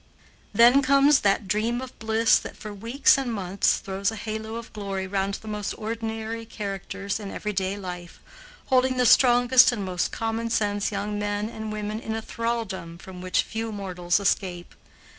Then comes that dream of bliss that for weeks and months throws a halo of glory round the most ordinary characters in every day life, holding the strongest and most common sense young men and women in a thraldom from which few mortals escape.